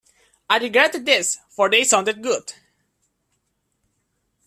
I regretted this, for they sounded good.